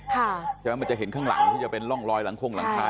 ใช่ไหมมันจะเห็นข้างหลังที่จะเป็นร่องรอยหลังคงหลังคา